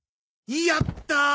やったー！